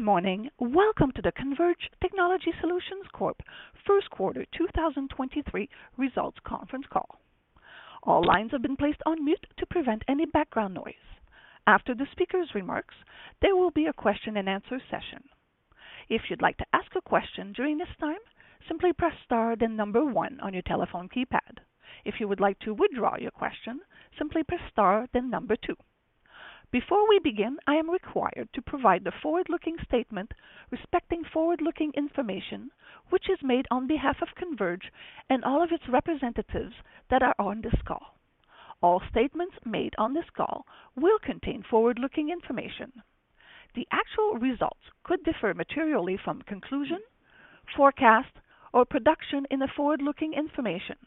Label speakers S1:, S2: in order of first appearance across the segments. S1: Good morning. Welcome to the Converge Technology Solutions Corp first quarter 2023 results conference call. All lines have been placed on mute to prevent any background noise. After the speaker's remarks, there will be a question and answer session. If you'd like to ask a question during this time, simply press star then number one on your telephone keypad. If you would like to withdraw your question, simply press star then number two. Before we begin, I am required to provide the forward-looking statement respecting forward-looking information which is made on behalf of Converge and all of its representatives that are on this call. All statements made on this call will contain forward-looking information. The actual results could differ materially from conclusion, forecast, or production in the forward-looking information.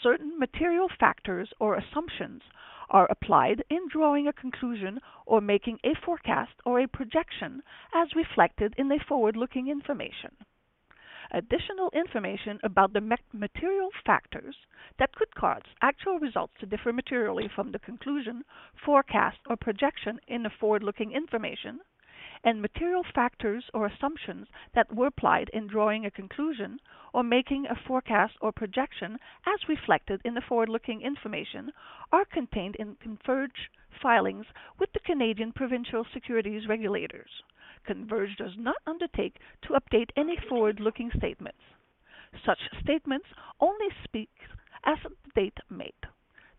S1: Certain material factors or assumptions are applied in drawing a conclusion or making a forecast or a projection as reflected in the forward-looking information. Additional information about the material factors that could cause actual results to differ materially from the conclusion, forecast, or projection in the forward-looking information and material factors or assumptions that were applied in drawing a conclusion or making a forecast or projection as reflected in the forward-looking information are contained in Converge filings with the Canadian Provincial Securities Regulators. Converge does not undertake to update any forward-looking statements. Such statements only speak as date made.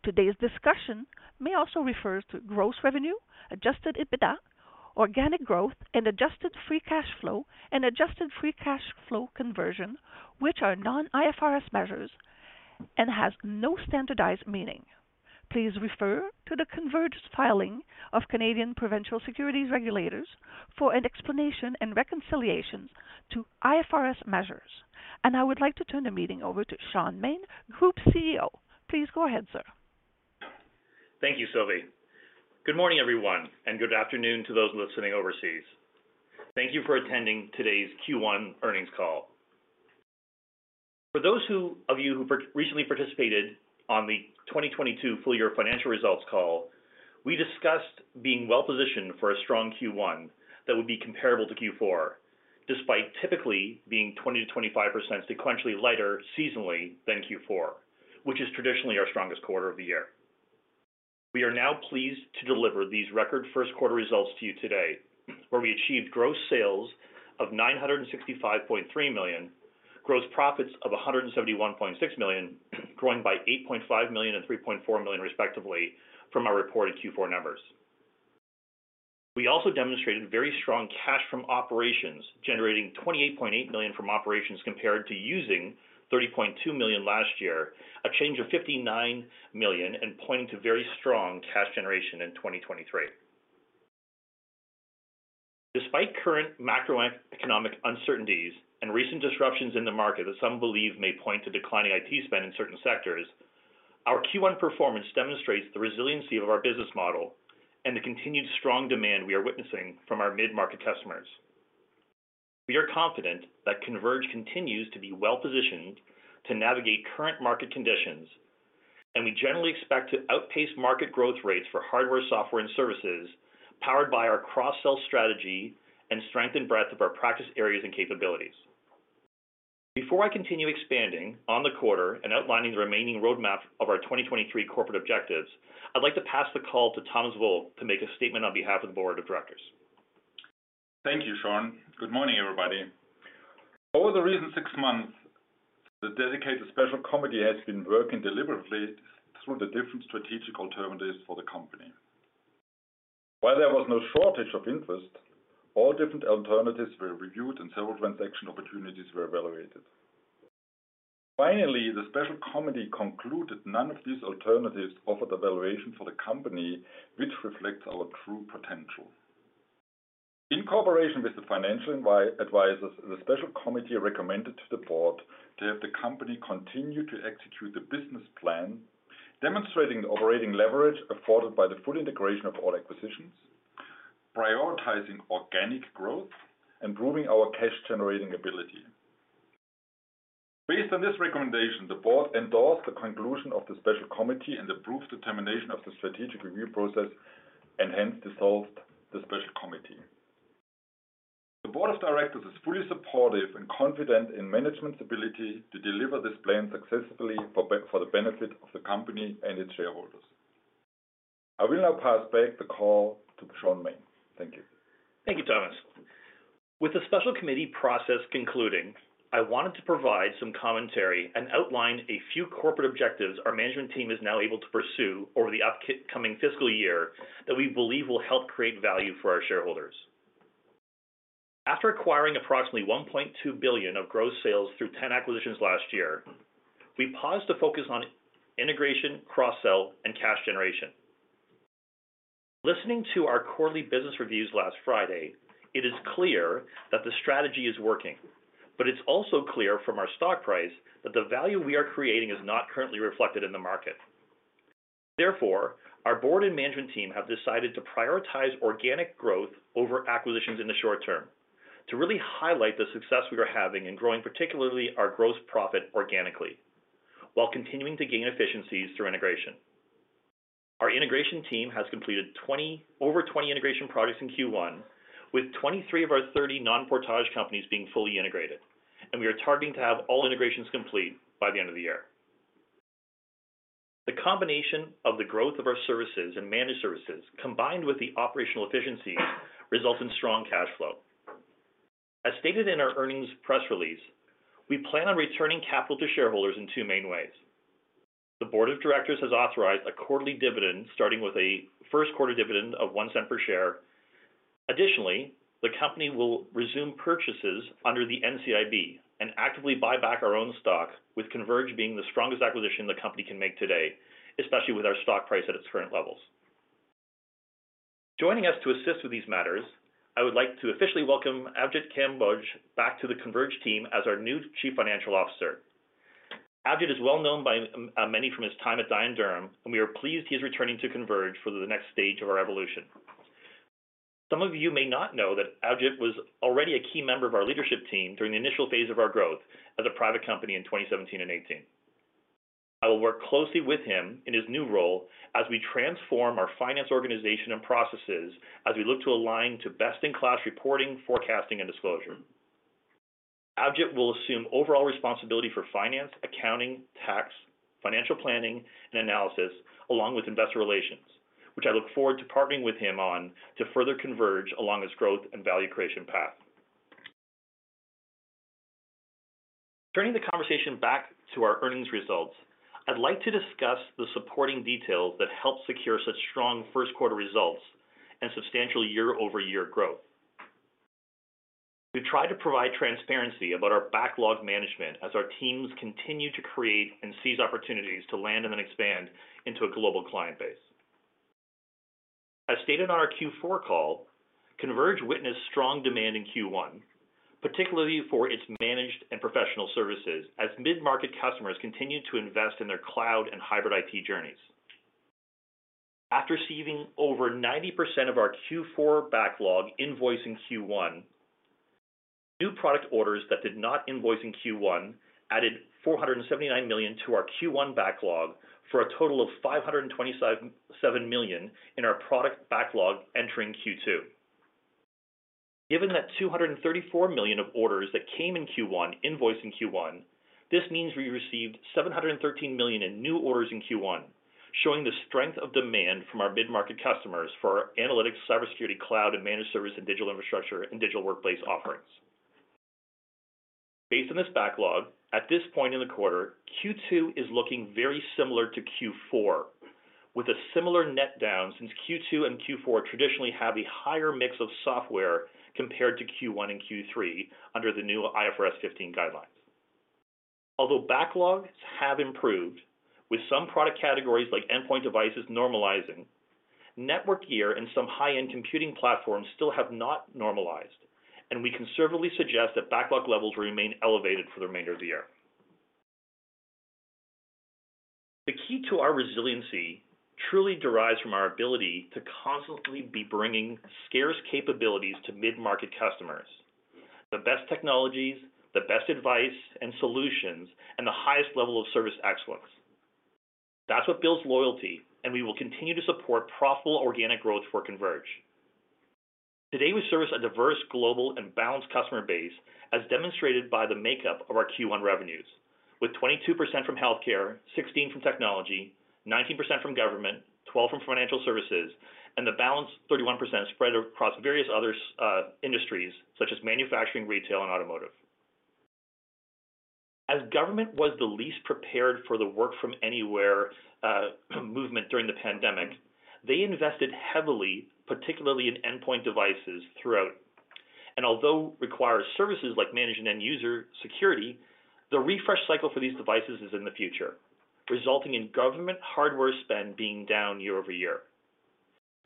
S1: Today's discussion may also refer to gross revenue, adjusted EBITDA, organic growth and adjusted free cash flow and adjusted free cash flow conversion, which are non-IFRS measures and has no standardized meaning. Please refer to the Converge filing of Canadian Provincial Securities Regulators for an explanation and reconciliation to IFRS measures. I would like to turn the meeting over to Shaun Maine, Group CEO. Please go ahead, sir.
S2: Thank you, Sylvie. Good morning, everyone, and good afternoon to those listening overseas. Thank you for attending today's Q1 earnings call. For those of you who recently participated on the 2022 full year financial results call, we discussed being well-positioned for a strong Q1 that would be comparable to Q4, despite typically being 20%-25% sequentially lighter seasonally than Q4, which is traditionally our strongest quarter of the year. We are now pleased to deliver these record first quarter results to you today, where we achieved gross sales of 965.3 million, gross profits of 171.6 million, growing by 8.5 million and 3.4 million respectively from our reported Q4 numbers. We also demonstrated very strong cash from operations, generating $28.8 million from operations compared to using $30.2 million last year, a change of $59 million, and pointing to very strong cash generation in 2023. Despite current macroeconomic uncertainties and recent disruptions in the market that some believe may point to declining IT spend in certain sectors, our Q1 performance demonstrates the resiliency of our business model and the continued strong demand we are witnessing from our mid-market customers. We are confident that Converge continues to be well-positioned to navigate current market conditions, and we generally expect to outpace market growth rates for hardware, software and services powered by our cross-sell strategy and strength and breadth of our practice areas and capabilities. Before I continue expanding on the quarter and outlining the remaining roadmap of our 2023 corporate objectives, I'd like to pass the call to Thomas Volk to make a statement on behalf of the board of directors.
S3: Thank you, Shaun. Good morning, everybody. Over the recent six months, the dedicated Special Committee has been working deliberately through the different strategic alternatives for the company. While there was no shortage of interest, all different alternatives were reviewed and several transaction opportunities were evaluated. Finally, the Special Committee concluded none of these alternatives offered a valuation for the company which reflects our true potential. In cooperation with the financial advisors, the Special Committee recommended to the Board to have the company continue to execute the business plan, demonstrating the operating leverage afforded by the full integration of all acquisitions, prioritizing organic growth, improving our cash-generating ability. Based on this recommendation, the Board endorsed the conclusion of the Special Committee and approved the termination of the strategic review process and hence dissolved the Special Committee. The board of directors is fully supportive and confident in management's ability to deliver this plan successfully for the benefit of the company and its shareholders. I will now pass back the call to Shaun Maine. Thank you.
S2: Thank you, Thomas. With the special committee process concluding, I wanted to provide some commentary and outline a few corporate objectives our management team is now able to pursue over the upcoming fiscal year that we believe will help create value for our shareholders. After acquiring approximately 1.2 billion of gross sales through 10 acquisitions last year, I paused to focus on integration, cross-sell, and cash generation. Listening to our quarterly business reviews last Friday, it is clear that the strategy is working, but it's also clear from our stock price that the value we are creating is not currently reflected in the market. Our board and management team have decided to prioritize organic growth over acquisitions in the short term to really highlight the success we are having in growing, particularly our gross profit organically, while continuing to gain efficiencies through integration. Our integration team has completed over 20 integration projects in Q1, with 23 of our 30 non-Portage companies being fully integrated, and we are targeting to have all integrations complete by the end of the year. The combination of the growth of our services and managed services, combined with the operational efficiencies, result in strong cash flow. As stated in our earnings press release, we plan on returning capital to shareholders in two main ways. The board of directors has authorized a quarterly dividend, starting with a first quarter dividend of 0.01 per share. Additionally, the company will resume purchases under the NCIB and actively buy back our own stock, with Converge being the strongest acquisition the company can make today, especially with our stock price at its current levels. Joining us to assist with these matters, I would like to officially welcome Abhijit Kamboj back to the Converge team as our new Chief Financial Officer. Abhijit is well known by many from his time at Dye & Durham, and we are pleased he is returning to Converge for the next stage of our evolution. Some of you may not know that Abhijit was already a key member of our leadership team during the initial phase of our growth as a private company in 2017 and 2018. I will work closely with him in his new role as we transform our finance organization and processes as we look to align to best-in-class reporting, forecasting, and disclosure. Abhijit will assume overall responsibility for finance, accounting, tax, financial planning, and analysis, along with investor relations, which I look forward to partnering with him on to further Converge along its growth and value creation path. Turning the conversation back to our earnings results, I'd like to discuss the supporting details that helped secure such strong first quarter results and substantial year-over-year growth. We've tried to provide transparency about our backlog management as our teams continue to create and seize opportunities to land and then expand into a global client base. As stated on our Q4 call, Converge witnessed strong demand in Q1, particularly for its managed and professional services as mid-market customers continued to invest in their cloud and hybrid IT journeys. After receiving over 90% of our Q4 backlog invoice in Q1, new product orders that did not invoice in Q1 added 479 million to our Q1 backlog for a total of 527 million in our product backlog entering Q2. Given that 234 million of orders that came in Q1 invoice in Q1, this means we received 713 million in new orders in Q1, showing the strength of demand from our mid-market customers for our analytics, cybersecurity, cloud, and managed service, and digital infrastructure, and digital workplace offerings. Based on this backlog, at this point in the quarter, Q2 is looking very similar to Q4, with a similar net down since Q2 and Q4 traditionally have a higher mix of software compared to Q1 and Q3 under the new IFRS 15 guidelines. Backlogs have improved with some product categories like endpoint devices normalizing, network gear and some high-end computing platforms still have not normalized, and we conservatively suggest that backlog levels will remain elevated for the remainder of the year. The key to our resiliency truly derives from our ability to constantly be bringing scarce capabilities to mid-market customers. The best technologies, the best advice and solutions, and the highest level of service excellence. That's what builds loyalty, and we will continue to support profitable organic growth for Converge. Today, we service a diverse global and balanced customer base, as demonstrated by the makeup of our Q1 revenues, with 22% from healthcare, 16 from technology, 19% from government, 12 from financial services, and the balance 31% spread across various other industries such as manufacturing, retail, and automotive. Government was the least prepared for the work from anywhere movement during the pandemic, they invested heavily, particularly in endpoint devices throughout. Although require services like managed and end user security, the refresh cycle for these devices is in the future, resulting in government hardware spend being down year-over-year.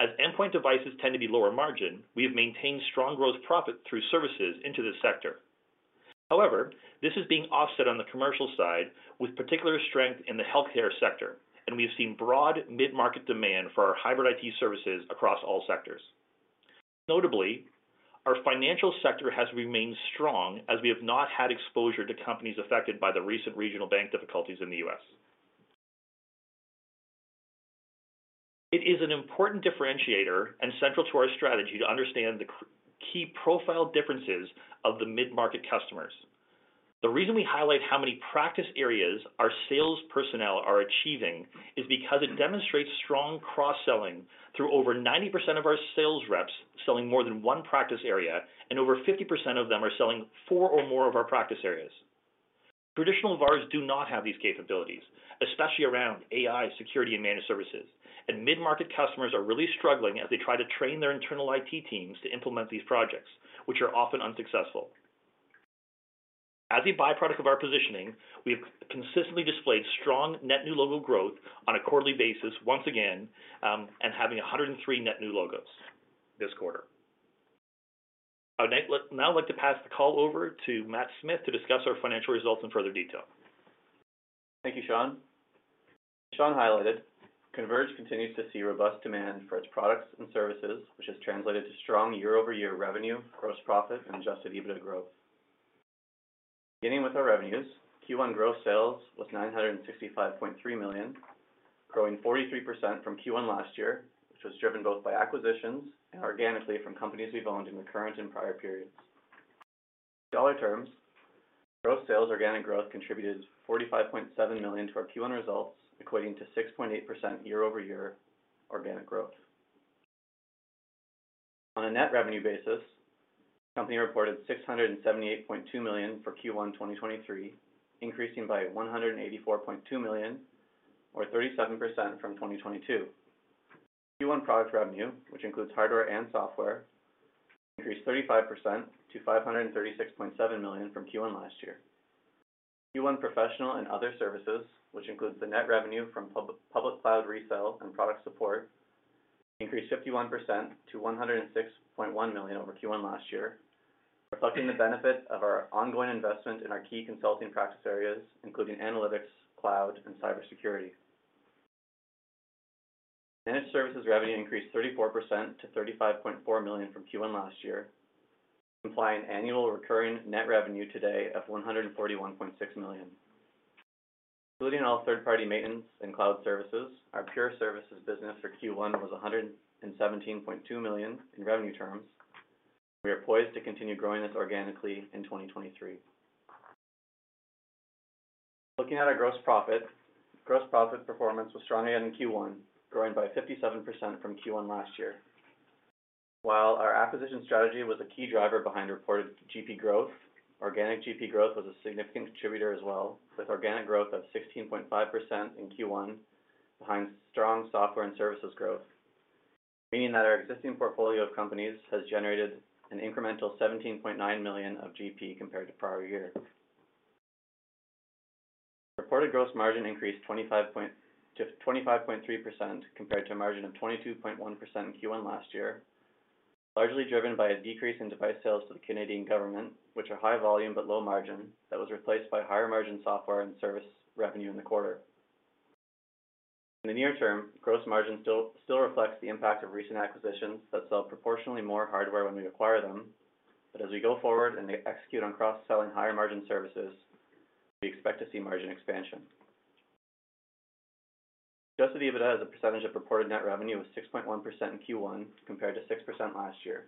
S2: Endpoint devices tend to be lower margin, we have maintained strong growth profit through services into this sector. However, this is being offset on the commercial side with particular strength in the healthcare sector, and we have seen broad mid-market demand for our hybrid IT services across all sectors. Notably, our financial sector has remained strong as we have not had exposure to companies affected by the recent regional bank difficulties in the U.S. It is an important differentiator and central to our strategy to understand the key profile differences of the mid-market customers. The reason we highlight how many practice areas our sales personnel are achieving is because it demonstrates strong cross-selling through over 90% of our sales reps selling more than 1 practice area and over 50% of them are selling four or more of our practice areas. Traditional VARs do not have these capabilities, especially around AI, security, and managed services. Mid-market customers are really struggling as they try to train their internal IT teams to implement these projects, which are often unsuccessful. As a byproduct of our positioning, we have consistently displayed strong net new logo growth on a quarterly basis once again, and having 103 net new logos this quarter. I would now like to pass the call over to Matt Smith to discuss our financial results in further detail.
S4: Thank you, Shaun. As Shaun highlighted, Converge continues to see robust demand for its products and services, which has translated to strong year-over-year revenue, gross profit and adjusted EBITDA growth. Beginning with our revenues, Q1 gross sales was 965.3 million, growing 43% from Q1 last year, which was driven both by acquisitions and organically from companies we've owned in the current and prior periods. In dollar terms, gross sales organic growth contributed 45.7 million to our Q1 results, equating to 6.8% year-over-year organic growth. On a net revenue basis, the company reported 678.2 million for Q1 2023, increasing by 184.2 million or 37% from 2022. Q1 product revenue, which includes hardware and software, increased 35% to 536.7 million from Q1 last year. Q1 professional and other services, which includes the net revenue from public cloud resale and product support, increased 51% to 106.1 million over Q1 last year, reflecting the benefit of our ongoing investment in our key consulting practice areas including analytics, cloud, and cybersecurity. Managed services revenue increased 34% to 35.4 million from Q1 last year, implying annual recurring net revenue today of 141.6 million. Including all third-party maintenance and cloud services, our pure services business for Q1 was 117.2 million in revenue terms. We are poised to continue growing this organically in 2023. Looking at our gross profit. Gross profit performance was strong in Q1, growing by 57% from Q1 last year. While our acquisition strategy was a key driver behind reported GP growth, organic GP growth was a significant contributor as well, with organic growth of 16.5% in Q1 behind strong software and services growth, meaning that our existing portfolio of companies has generated an incremental 17.9 million of GP compared to prior year. Reported gross margin increased to 25.3% compared to a margin of 22.1% in Q1 last year, largely driven by a decrease in device sales to the Canadian government, which are high volume but low margin, that was replaced by higher margin software and service revenue in the quarter. In the near term, gross margin still reflects the impact of recent acquisitions that sell proportionally more hardware when we acquire them. As we go forward and they execute on cross-selling higher margin services, we expect to see margin expansion. Adjusted EBITDA as a percentage of reported net revenue was 6.1% in Q1 compared to 6% last year.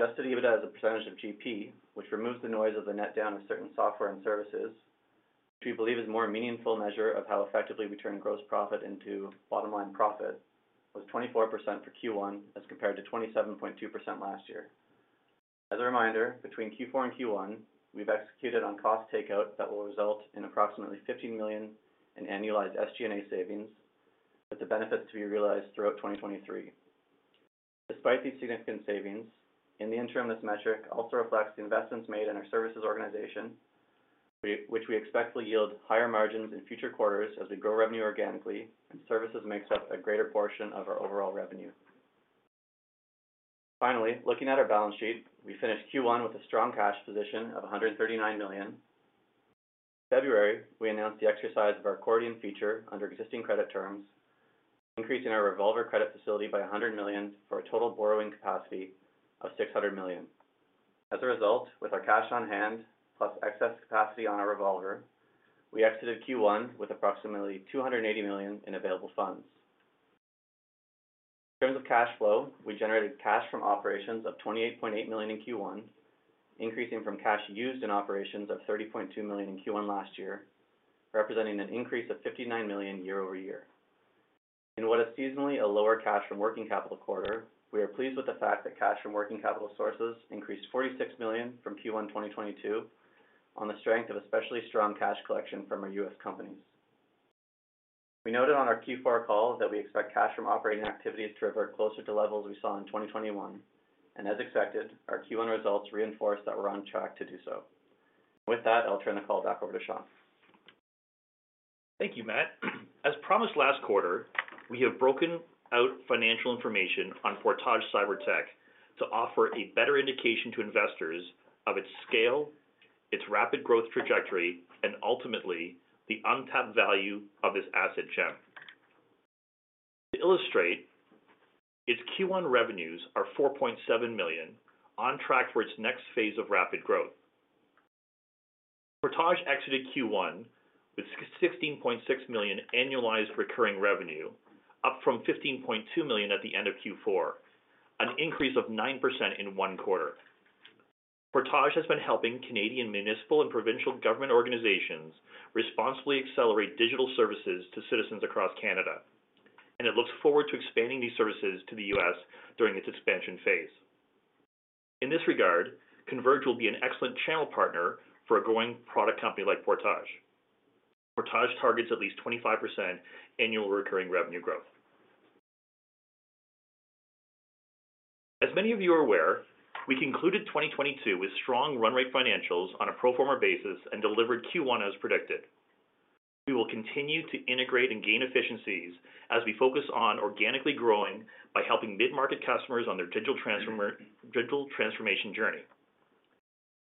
S4: Adjusted EBITDA as a percentage of GP, which removes the noise of the net down of certain software and services, which we believe is a more meaningful measure of how effectively we turn gross profit into bottom-line profit, was 24% for Q1 as compared to 27.2% last year. As a reminder, between Q4 and Q1, we've executed on cost takeout that will result in approximately 50 million in annualized SG&A savings, with the benefits to be realized throughout 2023. Despite these significant savings, in the interim, this metric also reflects the investments made in our services organization, which we expect will yield higher margins in future quarters as we grow revenue organically and services makes up a greater portion of our overall revenue. Finally, looking at our balance sheet, we finished Q1 with a strong cash position of 139 million. In February, we announced the exercise of our accordion feature under existing credit terms, increasing our revolver credit facility by 100 million for a total borrowing capacity of 600 million. As a result, with our cash on hand plus excess capacity on our revolver, we exited Q1 with approximately 280 million in available funds. In terms of cash flow, we generated cash from operations of $28.8 million in Q1, increasing from cash used in operations of $30.2 million in Q1 last year, representing an increase of $59 million year-over-year. In what is seasonally a lower cash from working capital quarter, we are pleased with the fact that cash from working capital sources increased $46 million from Q1 2022 on the strength of especially strong cash collection from our U.S. companies. We noted on our Q4 call that we expect cash from operating activities to revert closer to levels we saw in 2021. As expected, our Q1 results reinforce that we're on track to do so. With that, I'll turn the call back over to Shaun.
S2: Thank you, Matt. As promised last quarter, we have broken out financial information on Portage CyberTech to offer a better indication to investors of its scale, its rapid growth trajectory, and ultimately, the untapped value of this asset gem. To illustrate, its Q1 revenues are $4.7 million on track for its next phase of rapid growth. Portage exited Q1 with $16.6 million annualized recurring revenue, up from $15.2 million at the end of Q4, an increase of 9% in one quarter. Portage has been helping Canadian municipal and provincial government organizations responsibly accelerate digital services to citizens across Canada, and it looks forward to expanding these services to the U.S. during its expansion phase. In this regard, Converge will be an excellent channel partner for a growing product company like Portage. Portage targets at least 25% annual recurring revenue growth. As many of you are aware, we concluded 2022 with strong run rate financials on a pro forma basis and delivered Q1 as predicted. We will continue to integrate and gain efficiencies as we focus on organically growing by helping mid-market customers on their digital transformation journey.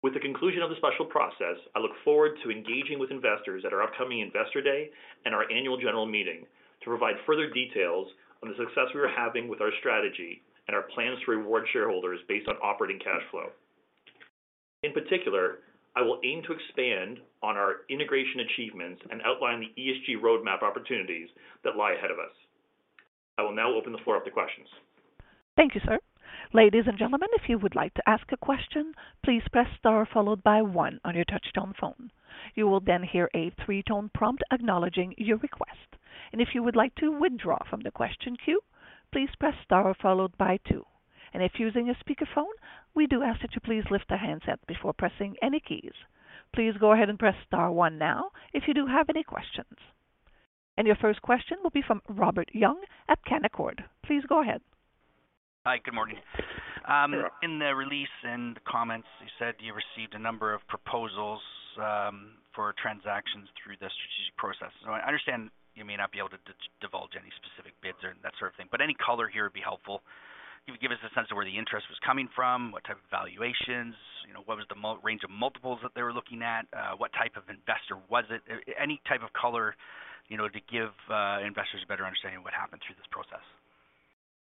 S2: With the conclusion of the special process, I look forward to engaging with investors at our upcoming Investor Day and our annual general meeting. To provide further details on the success we are having with our strategy and our plans to reward shareholders based on operating cash flow. In particular, I will aim to expand on our integration achievements and outline the ESG roadmap opportunities that lie ahead of us. I will now open the floor up to questions.
S1: Thank you, sir. Ladies and gentlemen, if you would like to ask a question, please press star followed by one on your touchtone phone. You will then hear a three-tone prompt acknowledging your request. If you would like to withdraw from the question queue, please press star followed by two. If using a speakerphone, we do ask that you please lift the handset before pressing any keys. Please go ahead and press star one now if you do have any questions. Your first question will be from Robert Young at Canaccord. Please go ahead.
S5: Hi, good morning. In the release and the comments, you said you received a number of proposals for transactions through the strategic process. I understand you may not be able to divulge any specific bids or that sort of thing, but any color here would be helpful. You could give us a sense of where the interest was coming from, what type of valuations, you know, what was the range of multiples that they were looking at, what type of investor was it? Any type of color, you know, to give investors a better understanding of what happened through this process.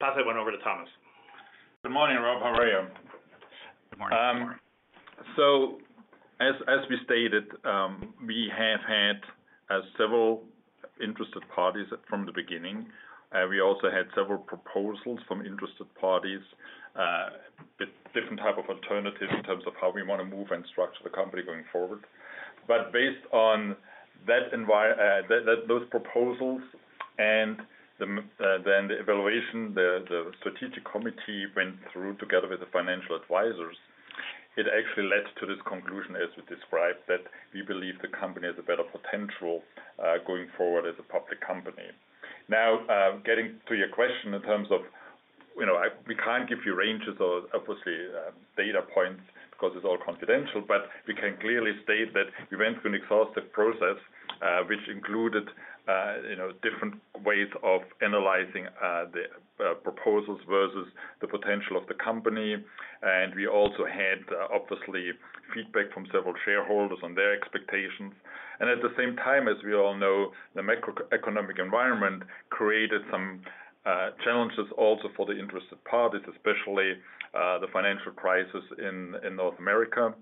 S2: I'll pass that one over to Thomas.
S3: Good morning, Rob. How are you?
S5: Good morning.
S3: As we stated, we have had several interested parties from the beginning. We also had several proposals from interested parties with different type of alternatives in terms of how we wanna move and structure the company going forward. Based on those proposals and then the evaluation the strategic committee went through together with the financial advisors, it actually led to this conclusion as we described, that we believe the company has a better potential going forward as a public company. Getting to your question in terms of, you know, we can't give you ranges or obviously, data points 'cause it's all confidential, but we can clearly state that we went through an exhaustive process, which included, you know, different ways of analyzing the proposals versus the potential of the company. We also had obviously feedback from several shareholders on their expectations. At the same time, as we all know, the microeconomic environment created some challenges also for the interested parties, especially the financial crisis in North America,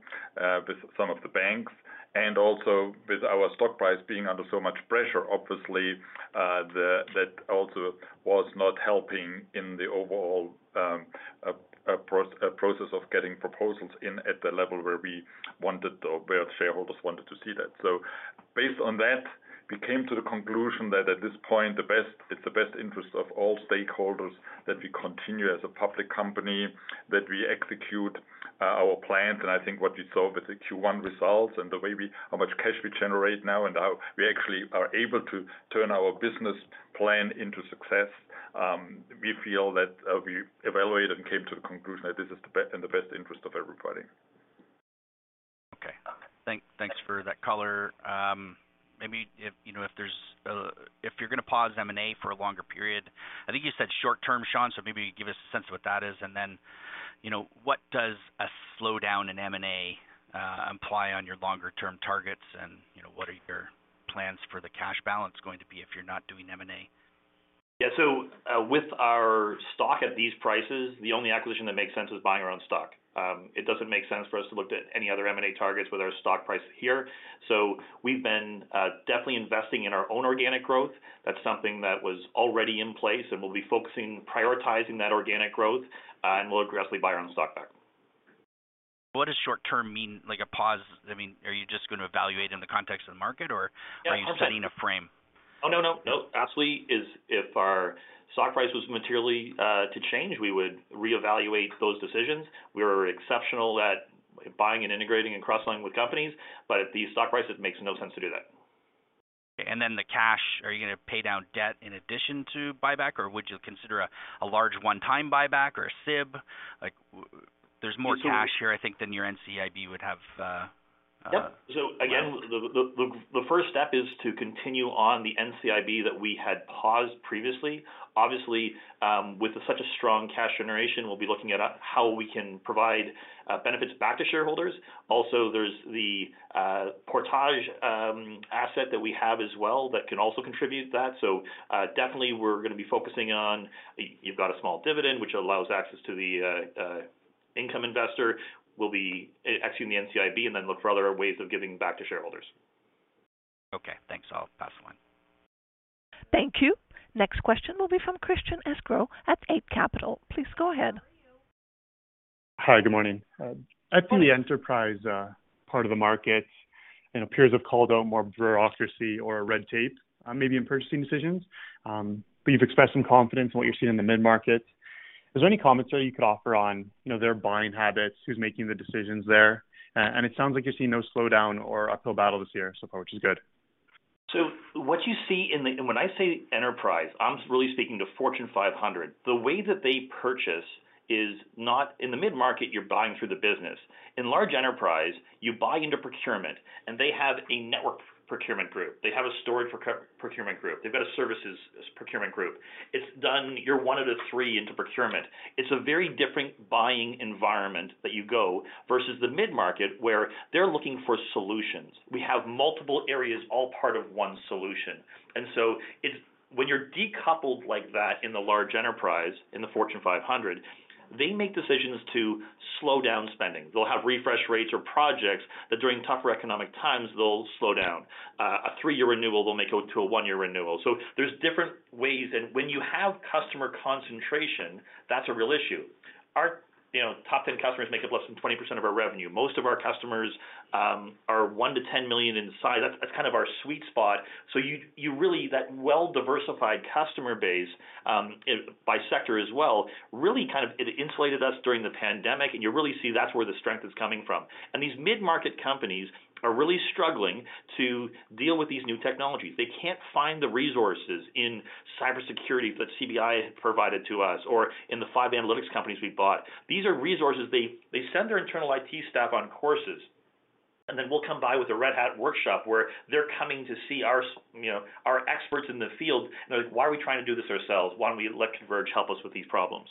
S3: with some of the banks and also with our stock price being under so much pressure. Obviously, that also was not helping in the overall process of getting proposals in at the level where we wanted or where shareholders wanted to see that. Based on that, we came to the conclusion that at this point, it's the best interest of all stakeholders that we continue as a public company, that we execute our plans. I think what you saw with the Q1 results and the way how much cash we generate now and how we actually are able to turn our business plan into success, we feel that we evaluated and came to the conclusion that this is in the best interest of everybody.
S5: Okay. Thanks for that color. Maybe if, you know, if there's, if you're gonna pause M&A for a longer period, I think you said short term, Shaun, so maybe give us a sense of what that is. Then, you know, what does a slowdown in M&A imply on your longer term targets and, you know, what are your plans for the cash balance going to be if you're not doing M&A?
S2: Yeah. With our stock at these prices, the only acquisition that makes sense is buying our own stock. It doesn't make sense for us to look at any other M&A targets with our stock price here. We've been definitely investing in our own organic growth. That's something that was already in place, and we'll be focusing, prioritizing that organic growth, and we'll aggressively buy our own stock back.
S5: What does short term mean? Like a pause. I mean, are you just gonna evaluate in the context of the market or-
S2: Yeah.
S5: Are you setting a frame?
S2: Oh, no, no. Absolutely is if our stock price was materially to change, we would reevaluate those decisions. We're exceptional at buying and integrating and cross-selling with companies. At the stock price, it makes no sense to do that.
S5: The cash, are you going to pay down debt in addition to buyback, or would you consider a large one-time buyback or a SIB? Like there's more cash here, I think, than your NCIB would have.
S2: Again, the first step is to continue on the NCIB that we had paused previously. Obviously, with such a strong cash generation, we'll be looking at how we can provide benefits back to shareholders. Also, there's the Portage asset that we have as well that can also contribute to that. Definitely we're gonna be focusing on you've got a small dividend, which allows access to the income investor. We'll be executing the NCIB then look for other ways of giving back to shareholders.
S5: Okay, thanks. I'll pass along.
S1: Thank you. Next question will be from Christian Sgro at Eight Capital. Please go ahead.
S6: Hi, good morning. I see the enterprise part of the market, you know, peers have called out more bureaucracy or red tape, maybe in purchasing decisions. You've expressed some confidence in what you're seeing in the mid-market. Is there any commentary you could offer on, you know, their buying habits, who's making the decisions there? It sounds like you're seeing no slowdown or uphill battle this year so far, which is good.
S2: What you see in the. When I say enterprise, I'm really speaking to Fortune 500. The way that they purchase is not in the mid-market, you're buying through the business. In large enterprise, you buy into procurement, and they have a network procurement group. They have a storage procurement group. They've got a services procurement group. It's done, you're one of the three into procurement. It's a very different buying environment that you go versus the mid-market, where they're looking for solutions. We have multiple areas, all part of one solution. When you're decoupled like that in the large enterprise, in the Fortune 500. They make decisions to slow down spending. They'll have refresh rates or projects that during tougher economic times, they'll slow down. A three-year renewal will make it to a one-year renewal. There's different ways, and when you have customer concentration, that's a real issue. Our, you know, top 10 customers make up less than 20% of our revenue. Most of our customers are 1 million to 10 million in size. That's kind of our sweet spot. You really that well-diversified customer base, by sector as well, really kind of it insulated us during the pandemic, and you really see that's where the strength is coming from. These mid-market companies are really struggling to deal with these new technologies. They can't find the resources in cybersecurity that CBI has provided to us or in the 5 analytics companies we bought. These are resources. They send their internal IT staff on courses. Then we'll come by with a Red Hat workshop where they're coming to see our you know, our experts in the field. They're like, "Why are we trying to do this ourselves? Why don't we let Converge help us with these problems?"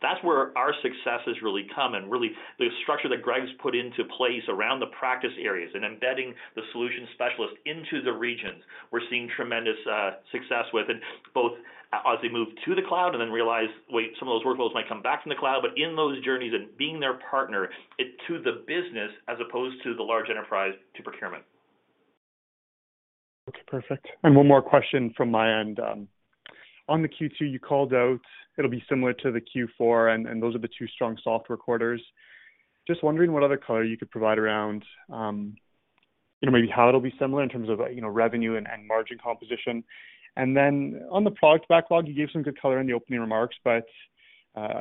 S2: That's where our success has really come, and really the structure that Greg's put into place around the practice areas and embedding the solution specialists into the regions, we're seeing tremendous success with. Both as they move to the cloud and then realize, wait, some of those workloads might come back from the cloud, but in those journeys and being their partner to the business as opposed to the large enterprise to procurement.
S6: Okay, perfect. One more question from my end. On the Q2, you called out it'll be similar to the Q4, and those are the two strong software quarters. Just wondering what other color you could provide around, you know, maybe how it'll be similar in terms of, you know, revenue and margin composition. On the product backlog, you gave some good color in the opening remarks, but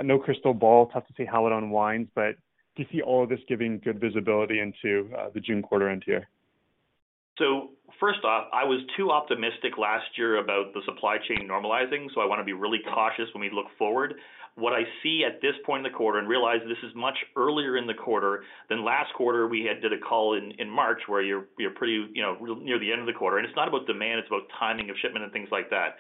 S6: no crystal ball. It's hard to say how it unwinds, but do you see all of this giving good visibility into the June quarter end here?
S2: First off, I was too optimistic last year about the supply chain normalizing, so I wanna be really cautious when we look forward. What I see at this point in the quarter, and realize this is much earlier in the quarter than last quarter, we had did a call in March where you're pretty, you know, near the end of the quarter. It's not about demand, it's about timing of shipment and things like that.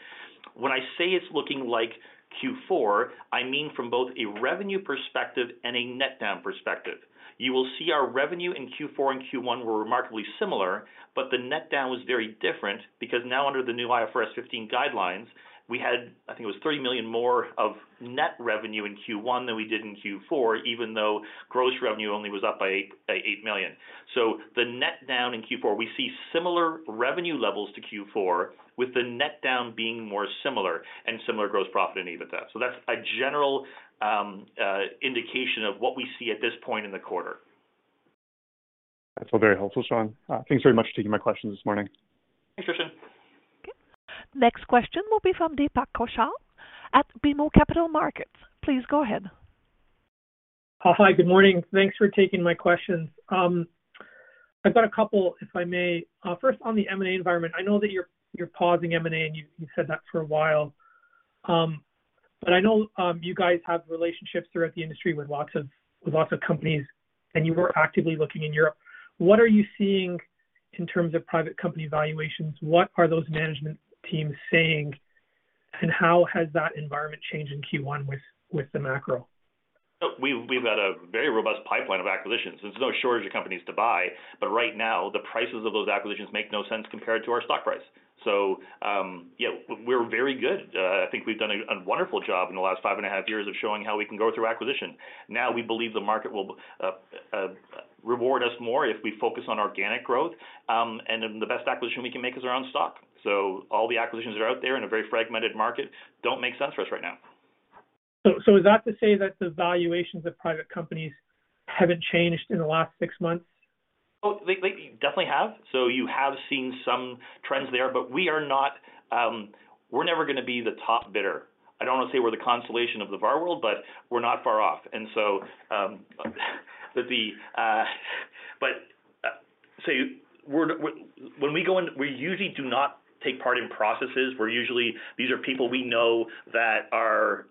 S2: When I say it's looking like Q4, I mean from both a revenue perspective and a net down perspective. You will see our revenue in Q4 and Q1 were remarkably similar. The net down was very different because now under the new IFRS 15 guidelines, we had, I think it was $30 million more of net revenue in Q1 than we did in Q4, even though gross revenue only was up by $8 million. The net down in Q4, we see similar revenue levels to Q4 with the net down being more similar and similar gross profit and EBITDA. That's a general indication of what we see at this point in the quarter.
S6: That's all very helpful, Sean. Thanks very much for taking my questions this morning.
S2: Thanks, Christian.
S1: Okay. Next question will be from Deepak Kaushal at BMO Capital Markets. Please go ahead.
S7: Hi. Good morning. Thanks for taking my questions. I've got a couple, if I may. First on the M&A environment, I know that you're pausing M&A, and you've said that for a while. But I know, you guys have relationships throughout the industry with lots of, with lots of companies, and you were actively looking in Europe. What are you seeing in terms of private company valuations? What are those management teams saying, and how has that environment changed in Q1 with the macro?
S2: We've got a very robust pipeline of acquisitions. There's no shortage of companies to buy. Right now the prices of those acquisitions make no sense compared to our stock price. Yeah, we're very good. I think we've done a wonderful job in the last five and a half years of showing how we can grow through acquisition. We believe the market will reward us more if we focus on organic growth, and the best acquisition we can make is our own stock. All the acquisitions that are out there in a very fragmented market don't make sense for us right now.
S7: Is that to say that the valuations of private companies haven't changed in the last six months?
S2: They definitely have. You have seen some trends there, but we are not, we're never gonna be the top bidder. I don't wanna say we're the consolation of the VAR world, but we're not far off. When we go in, we usually do not take part in processes. These are people we know that are,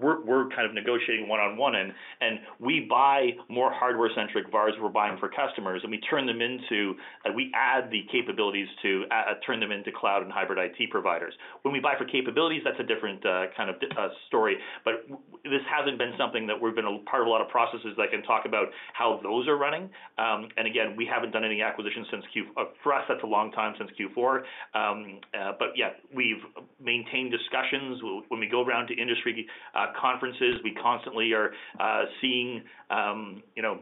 S2: we're kind of negotiating one-on-one and we buy more hardware centric VARs, we're buying them for customers and we add the capabilities to turn them into cloud and hybrid IT providers. When we buy for capabilities, that's a different kind of story. This hasn't been something that we've been a part of a lot of processes. I can talk about how those are running. Again, we haven't done any acquisitions for us, that's a long time since Q4. Yeah, we've maintained discussions. When we go around to industry conferences, we constantly are seeing, you know,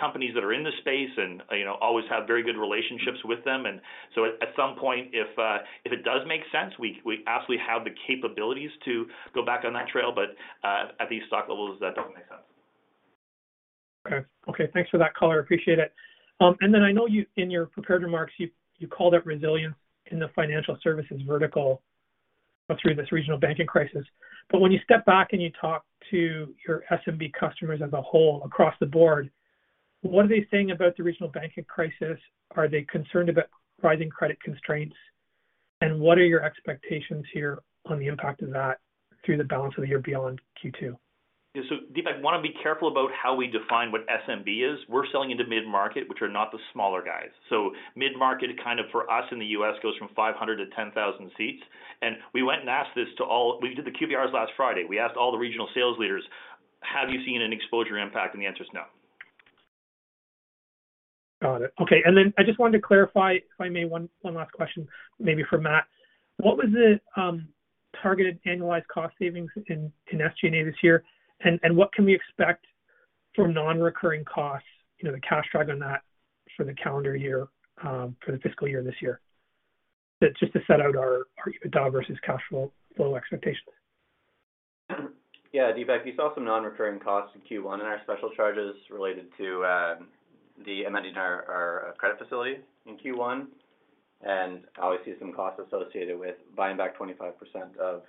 S2: companies that are in the space and, you know, always have very good relationships with them. At some point, if it does make sense, we absolutely have the capabilities to go back on that trail. At these stock levels, that doesn't make sense.
S7: Okay. Okay, thanks for that color. I appreciate it. Then I know in your prepared remarks, you called out resilience in the financial services vertical, through this regional banking crisis. When you step back and you talk to your SMB customers as a whole across the board, what are they saying about the regional banking crisis? Are they concerned about rising credit constraints? What are your expectations here on the impact of that through the balance of the year beyond Q2?
S2: Yeah. Deepak, wanna be careful about how we define what SMB is. We're selling into mid-market, which are not the smaller guys. Mid-market kind of for us in the U.S. goes from 500 to 10,000 seats. We went and asked this to all... We did the QBRs last Friday. We asked all the regional sales leaders, "Have you seen an exposure impact?" The answer is no.
S7: Got it. Okay. I just wanted to clarify, if I may, one last question maybe for Matt. What was the targeted annualized cost savings in SG&A this year? What can we expect from non-recurring costs, you know, the cash drag on that for the calendar year for the fiscal year this year? Just to set out our EBITDA versus cash flow expectation.
S4: Yeah. Deepak, you saw some non-recurring costs in Q1 in our special charges related to the amending our credit facility in Q1. Obviously some costs associated with buying back 25% of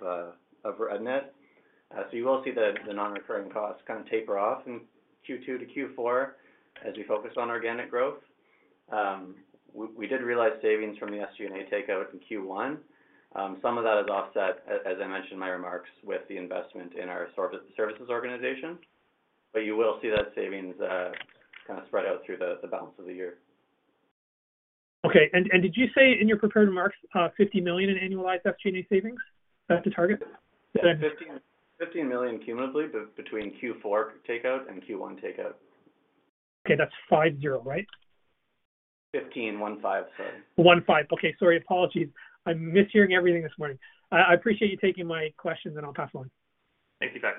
S4: REDNET. You will see the non-recurring costs kind of taper off in Q2 to Q4 as we focus on organic growth. We did realize savings from the SG&A takeout in Q1. Some of that is offset, as I mentioned in my remarks, with the investment in our services organization. You will see that savings kind of spread out through the balance of the year.
S7: Okay. Did you say in your prepared remarks, 50 million in annualized SG&A savings, to target?
S4: 15 million cumulatively between Q4 takeout and Q1 takeout.
S7: Okay. That's 50, right?
S4: 15. 15, sorry.
S7: 15. Okay. Sorry. Apologies. I'm mishearing everything this morning. I appreciate you taking my questions, and I'll pass along.
S4: Thank you, guys.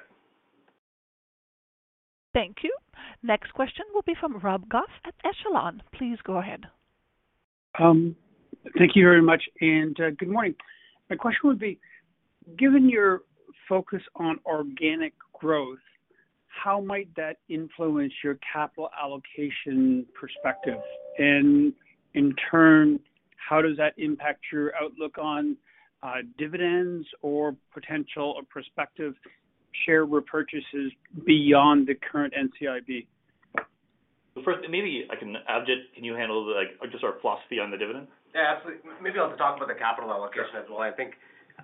S1: Thank you. Next question will be from Rob Goff at Echelon. Please go ahead.
S8: Thank you very much, and good morning. My question would be, given your focus on organic growth, how might that influence your capital allocation perspective? In turn, how does that impact your outlook on dividends or potential or prospective share repurchases beyond the current NCIB?
S2: First, maybe Avjeet, can you handle, just our philosophy on the dividend?
S9: Absolutely. Maybe I'll just talk about the capital allocation as well. I think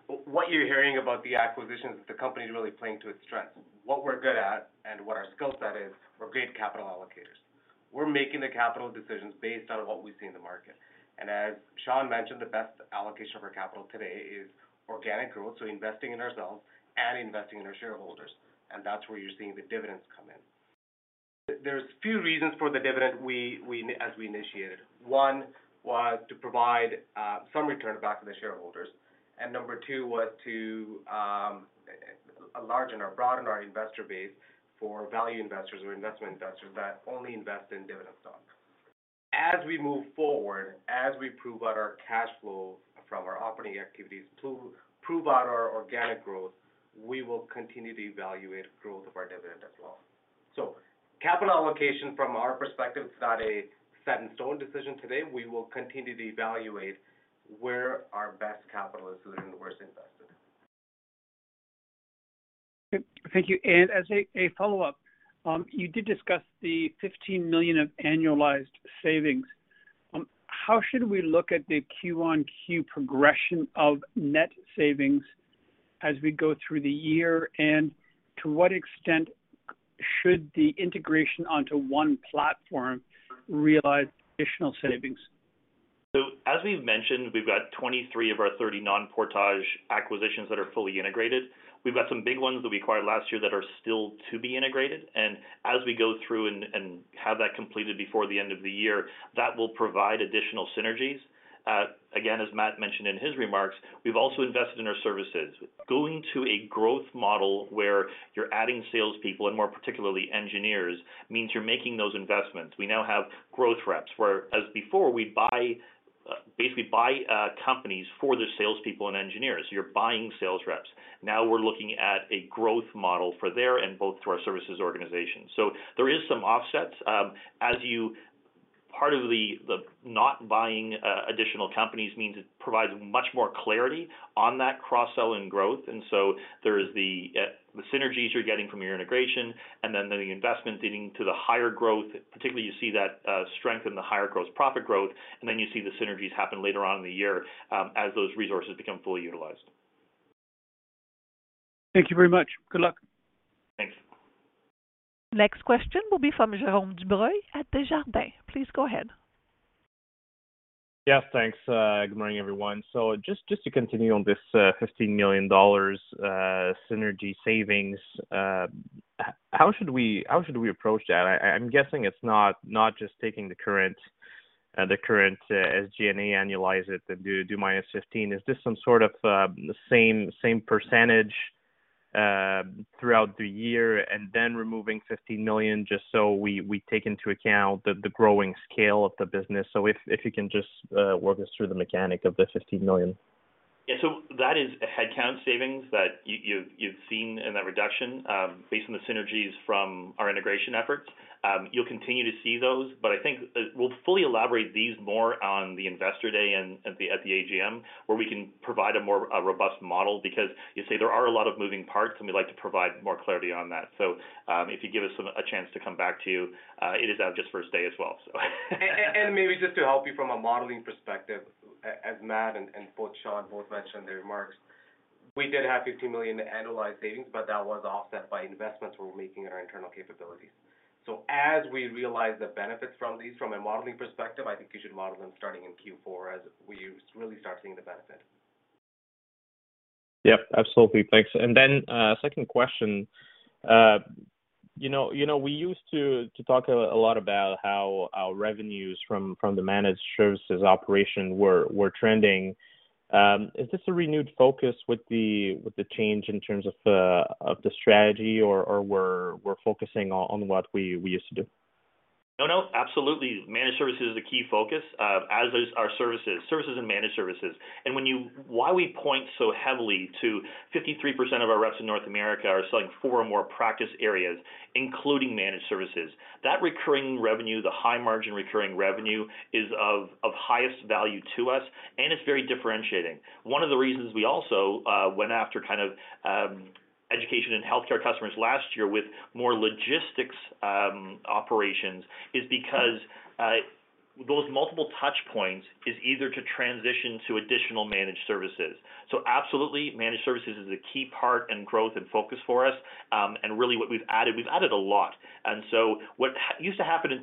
S9: what you're hearing about the acquisitions that the company is really playing to its strengths. What we're good at and what our skill set is, we're great capital allocators. We're making the capital decisions based on what we see in the market. As Shaun mentioned, the best allocation of our capital today is organic growth, so investing in ourselves and investing in our shareholders, and that's where you're seeing the dividends come in. There's a few reasons for the dividend we initiated. One was to provide some return back to the shareholders, Number two was to enlarge and, or broaden our investor base for value investors or investment investors that only invest in dividend stocks. As we move forward, as we prove out our cash flow from our operating activities to prove out our organic growth, we will continue to evaluate growth of our dividend as well. Capital allocation from our perspective is not a set in stone decision today. We will continue to evaluate where our best capital is sitting and where it's invested.
S8: Thank you. As a follow-up, you did discuss the 15 million of annualized savings. How should we look at the Q-on-Q progression of net savings as we go through the year? To what extent should the integration onto one platform realize additional savings?
S2: As we've mentioned, we've got 23 of our 30 non-Portage acquisitions that are fully integrated. We've got some big ones that we acquired last year that are still to be integrated. As we go through and have that completed before the end of the year, that will provide additional synergies. Again, as Matt Smith mentioned in his remarks, we've also invested in our services. Going to a growth model where you're adding salespeople and more particularly engineers, means you're making those investments. We now have growth reps, whereas before we basically buy companies for the salespeople and engineers. You're buying sales reps. Now we're looking at a growth model for there and both through our services organization. There is some offsets. Part of the not buying additional companies means it provides much more clarity on that cross-sell and growth. There is the synergies you're getting from your integration and then the investments leading to the higher growth. Particularly, you see that strength in the higher gross profit growth, and then you see the synergies happen later on in the year as those resources become fully utilized.
S8: Thank you very much. Good luck.
S2: Thanks.
S1: Next question will be from Jerome Dubreuil at Desjardins. Please go ahead.
S10: Yes, thanks. Good morning, everyone. Just to continue on this CAD 15 million synergy savings, how should we approach that? I'm guessing it's not just taking the current SG&A, annualize it, then do minus 15. Is this some sort of same percentage throughout the year and then removing 15 million just so we take into account the growing scale of the business? If you can just walk us through the mechanic of the 15 million.
S2: Yeah. That is headcount savings that you've seen in that reduction, based on the synergies from our integration efforts. You'll continue to see those, but I think we'll fully elaborate these more on the Investor Day and at the AGM, where we can provide a more robust model because you say there are a lot of moving parts, and we like to provide more clarity on that. If you give us a chance to come back to you, it is just first day as well.
S9: Maybe just to help you from a modeling perspective, as Matt and both Shaun mentioned their remarks, we did have 15 million annualized savings, but that was offset by investments we're making in our internal capabilities. As we realize the benefits from these from a modeling perspective, I think you should model them starting in Q4 as we really start seeing the benefit.
S10: Yep, absolutely. Thanks. Second question. You know, we used to talk a lot about how our revenues from the managed services operation were trending. Is this a renewed focus with the change in terms of the strategy or we're focusing on what we used to do?
S2: No, no, absolutely. Managed service is a key focus, as is our services and managed services. Why we point so heavily to 53% of our reps in North America are selling four or more practice areas, including managed services. That recurring revenue, the high-margin recurring revenue, is of highest value to us, and it's very differentiating. One of the reasons we also went after education and healthcare customers last year with more logistics operations is because those multiple touch points is either to transition to additional managed services. Absolutely, managed services is a key part and growth and focus for us. Really what we've added, we've added a lot. What used to happen in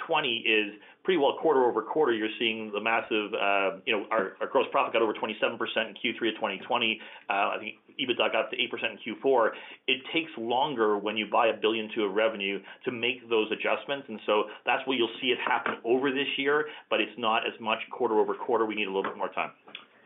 S2: 2020 is pretty well quarter-over-quarter, you know, our gross profit got over 27% in Q3 of 2020. I think EBITDA got to 8% in Q4. It takes longer when you buy 1.2 billion of revenue to make those adjustments, that's where you'll see it happen over this year, but it's not as much quarter-over-quarter. We need a little bit more time.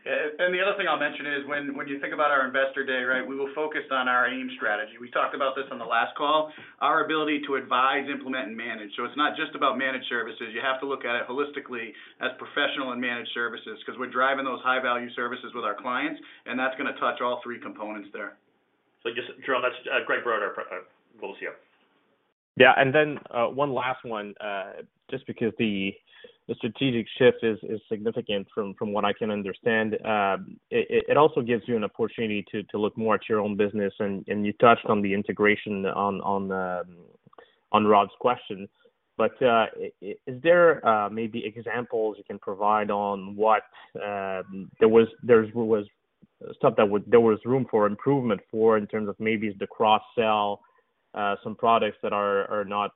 S11: The other thing I'll mention is when you think about our investor day, right, we will focus on our AIM strategy. We talked about this on the last call, our ability to advise, implement, and manage. It's not just about managed services. You have to look at it holistically as professional and managed services 'cause we're driving those high-value services with our clients, and that's gonna touch all three components there.
S2: Jerome, that's Greg Berard. We'll see him.
S10: Yeah. One last one, just because the strategic shift is significant from what I can understand. It also gives you an opportunity to look more at your own business, and you touched on the integration on Rob's question. Is there maybe examples you can provide on what there was room for improvement for in terms of maybe the cross-sell, some products that are not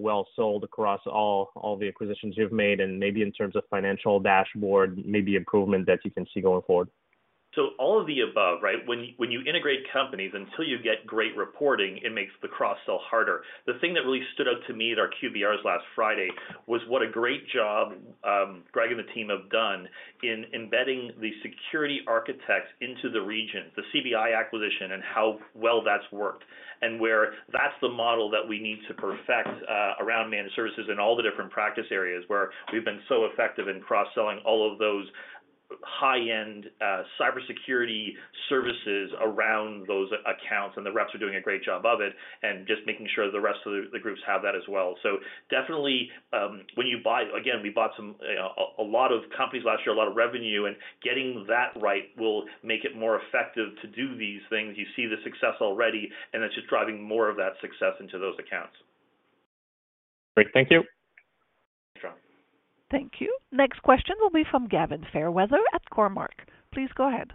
S10: well sold across all the acquisitions you've made, and maybe in terms of financial dashboard, maybe improvement that you can see going forward?
S2: All of the above, right. When you integrate companies, until you get great reporting, it makes the cross-sell harder. The thing that really stood out to me at our QBRs last Friday was what a great job, Greg and the team have done in embedding the security architects into the region, the CBI acquisition, and how well that's worked. Where that's the model that we need to perfect, around managed services in all the different practice areas where we've been so effective in cross-selling all of those high-end, cybersecurity services around those A-accounts, and the reps are doing a great job of it, and just making sure the rest of the groups have that as well. Definitely, when you buy... Again, we bought some, a lot of companies last year, a lot of revenue. Getting that right will make it more effective to do these things. You see the success already, and it's just driving more of that success into those accounts.
S10: Great. Thank you.
S2: Thanks, Jerome.
S1: Thank you. Next question will be from Gavin Fairweather at Cormark. Please go ahead.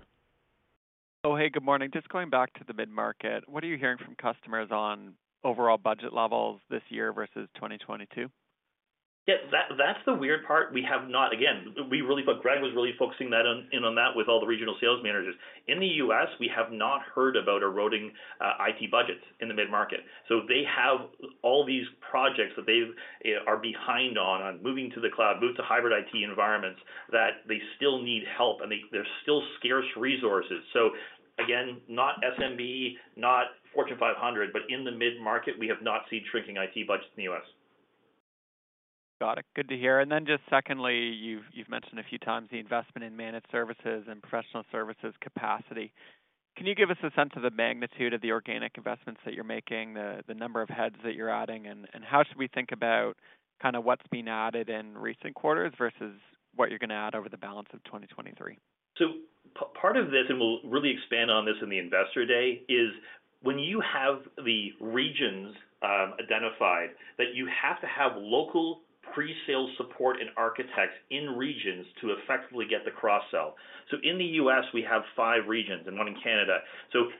S12: Oh, hey, good morning. Just going back to the mid-market, what are you hearing from customers on overall budget levels this year versus 2022?
S2: Yeah, that's the weird part. Again, Greg was really focusing on that with all the regional sales managers. In the U.S., we have not heard about eroding IT budgets in the mid-market. They have all these projects that they've are behind on moving to the cloud, move to hybrid IT environments that they still need help. I mean, there's still scarce resources. Again, not SMB, not Fortune 500, but in the mid-market, we have not seen shrinking IT budgets in the U.S.
S12: Got it. Good to hear. Just secondly, you've mentioned a few times the investment in managed services and professional services capacity. Can you give us a sense of the magnitude of the organic investments that you're making, the number of heads that you're adding, and how should we think about kind of what's been added in recent quarters versus what you're gonna add over the balance of 2023?
S2: Part of this, and we'll really expand on this in the investor day, is when you have the regions identified that you have to have local pre-sales support and architects in regions to effectively get the cross-sell. In the U.S., we have five regions and one in Canada.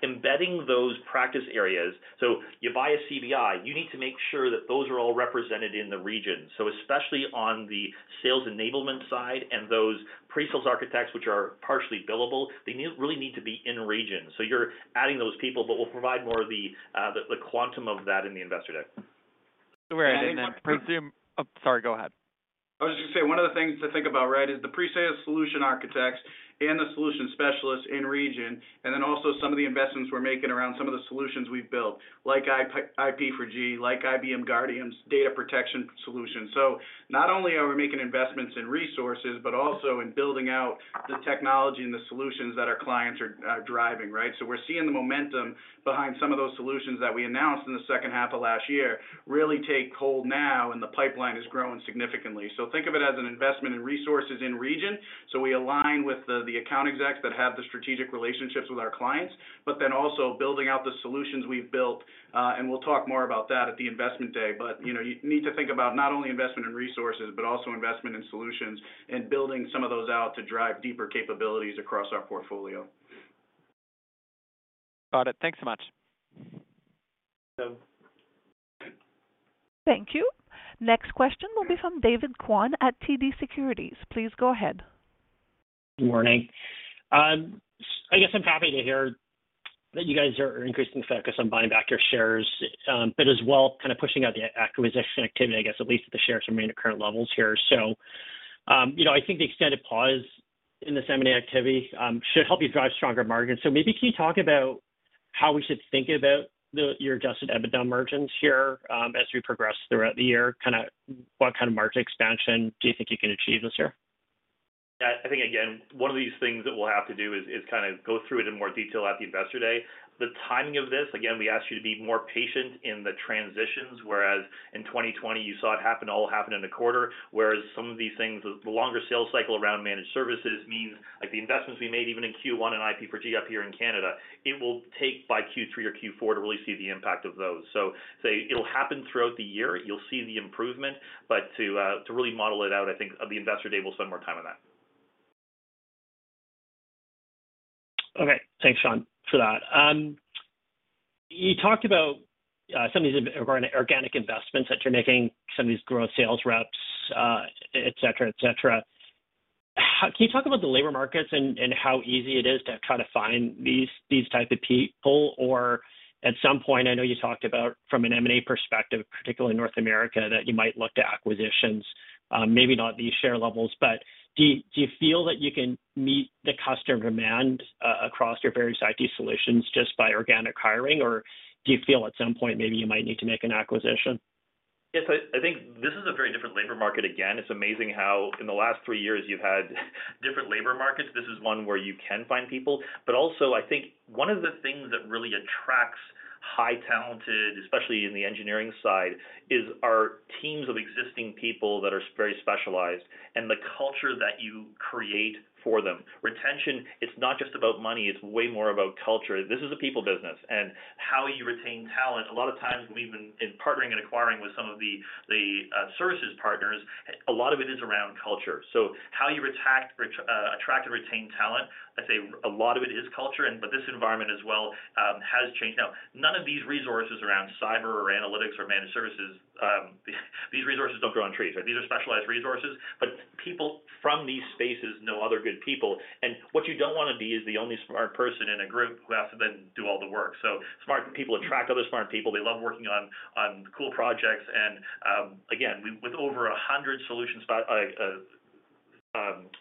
S2: Embedding those practice areas. You buy a CBI, you need to make sure that those are all represented in the region. Especially on the sales enablement side and those pre-sales architects which are partially billable, they really need to be in region. You're adding those people, but we'll provide more of the quantum of that in the investor day.
S12: Where I didn't presume. Sorry, go ahead.
S11: I was just gonna say, one of the things to think about, right, is the pre-sales solution architects and the solution specialists in region, and then also some of the investments we're making around some of the solutions we've built, like IP4G, like IBM Guardium Data Protection solution. Not only are we making investments in resources, but also in building out the technology and the solutions that our clients are driving, right? We're seeing the momentum behind some of those solutions that we announced in the second half of last year really take hold now, and the pipeline has grown significantly. Think of it as an investment in resources in region. We align with the account execs that have the strategic relationships with our clients, but then also building out the solutions we've built, and we'll talk more about that at the investment day. You know, you need to think about not only investment in resources, but also investment in solutions and building some of those out to drive deeper capabilities across our portfolio.
S12: Got it. Thanks so much.
S2: So-
S1: Thank you. Next question will be from David Kwan at TD Securities. Please go ahead.
S13: Good morning. I guess I'm happy to hear that you guys are increasing focus on buying back your shares, but as well kind of pushing out the acquisition activity, I guess at least if the shares remain at current levels here. you know, I think the extended pause in this M&A activity should help you drive stronger margins. Maybe can you talk about how we should think about your adjusted EBITDA margins here, as we progress throughout the year? Kinda what kind of margin expansion do you think you can achieve this year?
S2: Yeah. I think, again, one of these things that we'll have to do is kind of go through it in more detail at the investor day. The timing of this, again, we ask you to be more patient in the transitions, whereas in 2020 you saw it happen, all happen in a quarter, whereas some of these things, the longer sales cycle around managed services means like the investments we made even in Q1 in IP4G here in Canada, it will take by Q3 or Q4 to really see the impact of those. Say it'll happen throughout the year. You'll see the improvement. To really model it out, I think at the investor day we'll spend more time on that.
S13: Okay. Thanks, Shaun, for that. You talked about some of these in organic investments that you're making, some of these growth sales reps, et cetera. Can you talk about the labor markets and how easy it is to try to find these type of people? At some point, I know you talked about from an M&A perspective, particularly in North America, that you might look to acquisitions, maybe not these share levels, but do you feel that you can meet the customer demand across your various IT solutions just by organic hiring, or do you feel at some point maybe you might need to make an acquisition?
S2: Yes, I think this is a very different labor market. Again, it's amazing how in the last three years you've had different labor markets. This is one where you can find people. Also I think one of the things that really attracts high talented, especially in the engineering side, is our teams of existing people that are very specialized and the culture that you create for them. Retention, it's not just about money, it's way more about culture. This is a people business, and how you retain talent, a lot of times when we've been in partnering and acquiring with some of the services partners, a lot of it is around culture. How you attract and retain talent, I'd say a lot of it is culture but this environment as well has changed. None of these resources around cyber or analytics or managed services, these resources don't grow on trees. These are specialized resources, people from these spaces know other good people. What you don't wanna be is the only smart person in a group who has to then do all the work. Smart people attract other smart people. They love working on cool projects. Again, with over 100 solutions,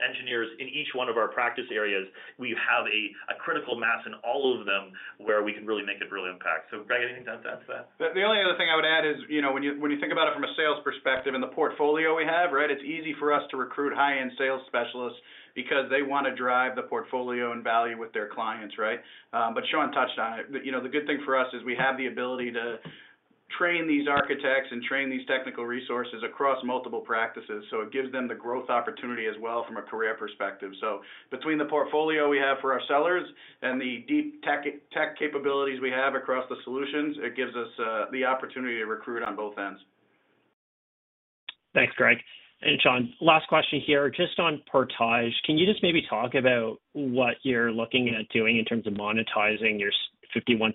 S2: engineers in each one of our practice areas, we have a critical mass in all of them where we can really make a real impact. Greg, anything to add to that?
S11: The only other thing I would add is, you know, when you think about it from a sales perspective and the portfolio we have, right? It's easy for us to recruit high-end sales specialists because they wanna drive the portfolio and value with their clients, right? Shaun touched on it. You know, the good thing for us is we have the ability to train these architects and train these technical resources across multiple practices, so it gives them the growth opportunity as well from a career perspective. Between the portfolio we have for our sellers and the deep tech capabilities we have across the solutions, it gives us the opportunity to recruit on both ends.
S13: Thanks, Greg. Shaun, last question here. Just on Portage, can you just maybe talk about what you're looking at doing in terms of monetizing your 51%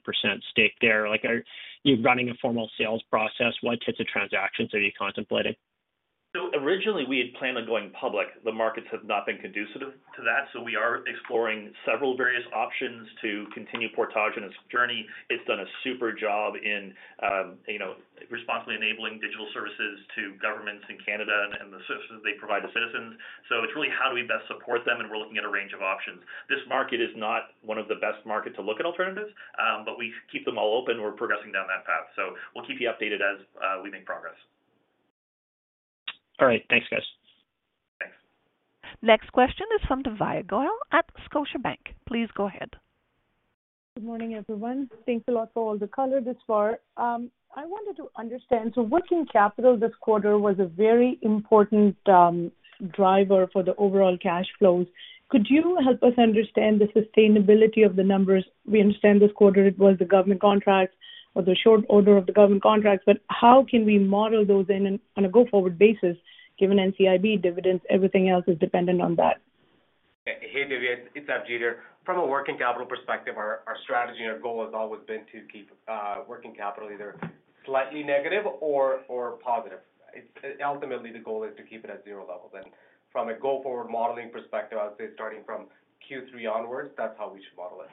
S13: stake there? Like, are you running a formal sales process? What types of transactions are you contemplating?
S2: Originally we had planned on going public. The markets have not been conducive to that. We are exploring several various options to continue Portage in its journey. It's done a super job in, you know, responsibly enabling digital services to governments in Canada and the services they provide to citizens. It's really how do we best support them, and we're looking at a range of options. This market is not one of the best markets to look at alternatives, but we keep them all open. We're progressing down that path. We'll keep you updated as we make progress.
S13: All right. Thanks, guys.
S2: Thanks.
S1: Next question is from Divya Goyal at Scotiabank. Please go ahead.
S14: Good morning, everyone. Thanks a lot for all the color thus far. I wanted to understand, working capital this quarter was a very important driver for the overall cash flows. Could you help us understand the sustainability of the numbers? We understand this quarter it was the government contracts or the short order of the government contracts, how can we model those in on a go-forward basis given NCIB dividends, everything else is dependent on that.
S9: Hey, Divya, it's Abhijit here. From a working capital perspective, our strategy and our goal has always been to keep working capital either slightly negative or positive. Ultimately, the goal is to keep it at zero level. From a go-forward modeling perspective, I would say starting from Q3 onwards, that's how we should model it.